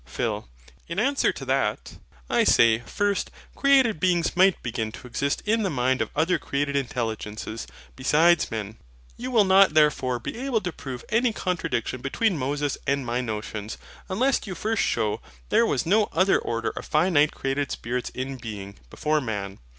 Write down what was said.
PHIL. In answer to that, I say, first, created beings might begin to exist in the mind of other created intelligences, beside men. You will not therefore be able to prove any contradiction between Moses and my notions, unless you first shew there was no other order of finite created spirits in being, before man.